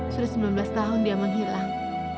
sudah sembilan belas tahun dia menghilang